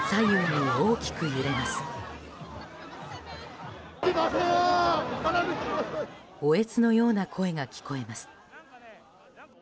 嗚咽のような声が聞こえます。